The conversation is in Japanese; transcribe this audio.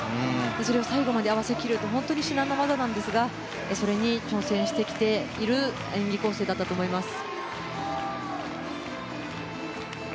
それを最後まで合わせきるのは至難の業なんですがそれに挑戦してきている演技構成だったと思います。